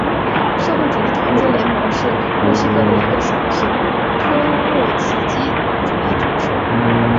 社会主义团结联盟是墨西哥的一个小型托洛茨基主义组织。